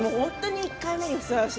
１回目にふさわしい。